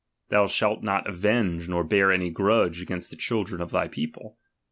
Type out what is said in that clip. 18 : ^hou shall not avenge, nor hear any grudge ^igainst the children of thy people.